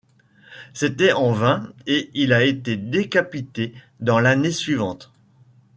C'était en vain, et il a été décapité dans l'année suivante.